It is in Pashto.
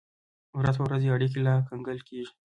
ورځ په ورځ یې اړیکې لا ګنګل کېږي.